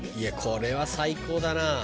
これは最高だな。